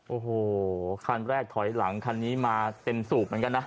โอ้โหคันแรกถอยหลังคันนี้มาเต็มสูบเหมือนกันนะ